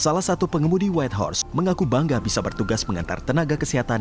salah satu pengemudi white hours mengaku bangga bisa bertugas mengantar tenaga kesehatan